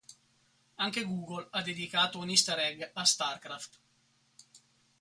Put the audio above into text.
Anche Google ha dedicato un easter egg a Starcraft.